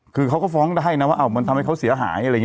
คือเขาก็ฟ้องได้นะว่ามันทำให้เขาเสียหาย